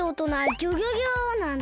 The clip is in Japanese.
ギョギョ